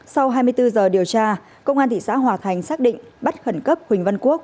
sau hai mươi bốn giờ điều tra công an thị xã hòa thành xác định bắt khẩn cấp huỳnh văn quốc